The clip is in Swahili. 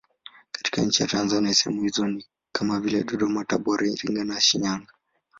Katika nchi ya Tanzania sehemu hizo ni kama vile Dodoma, Tabora, Iringa, Shinyanga.